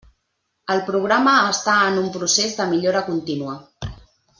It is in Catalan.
El programa està en un procés de millora contínua.